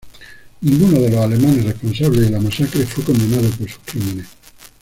Ninguno de los alemanes responsables de la masacre fue condenado por sus crímenes.